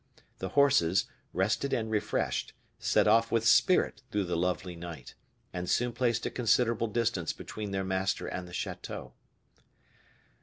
The horses, rested and refreshed, set off with spirit through the lovely night, and soon placed a considerable distance between their master and the chateau.